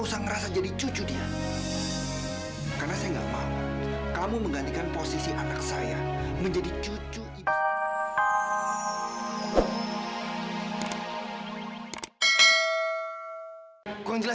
sampai jumpa di video selanjutnya